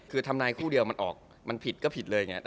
คือทำนายคู่เดียวมันออกมันผิดก็ผิดเลยอย่างนี้